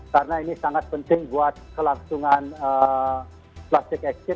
karena ini sangat penting buat kelangsungan plastic action